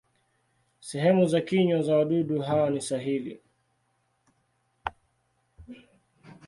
Sehemu za kinywa za wadudu hawa ni sahili.